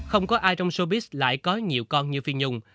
không có ai trong sobis lại có nhiều con như phi nhung